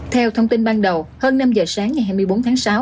theo thông tin ban đầu hơn năm giờ sáng ngày hai mươi bốn tháng sáu